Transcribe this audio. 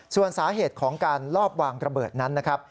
ส่วนสาเหตุของการลอบวางระเบิดนั้นนะครับ